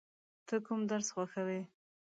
ته کوم درس خوښوې؟